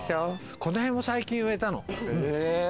この辺も最近植えたの。